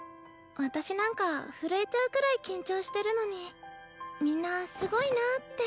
私なんか震えちゃうくらい緊張してるのにみんなすごいなぁって。